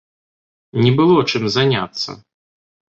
Не было чым заняцца!